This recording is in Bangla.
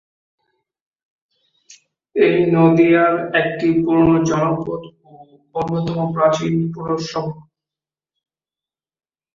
এটি নদীয়ার একটি পুরোনো জনপদ ও অন্যতম প্রাচীন পৌরসভা।